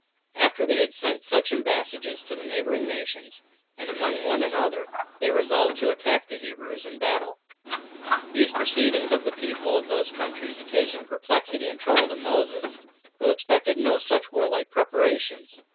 After they had sent such embassages to the neighboring nations, and among one another, they resolved to attack the Hebrews in battle. 2. These proceedings of the people of those countries occasioned perplexity and trouble to Moses, who expected no such warlike preparations.